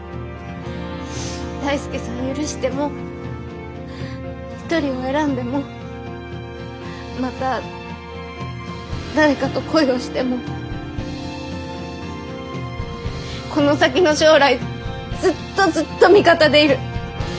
大輔さん許しても一人を選んでもまた誰かと恋をしてもこの先の将来ずっとずっと味方でいる。